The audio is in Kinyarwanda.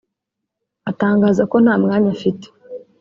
atangaza ko nta mwanya afite